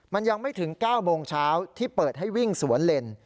มันยังไม่ถึง๙โมงเช้าที่เปิดให้วิ่งสวนเลน